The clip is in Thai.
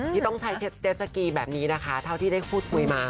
ที่ต้องใช้เจสสกีแบบนี้นะคะเท่าที่ได้พูดคุยมา